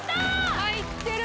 入ってる。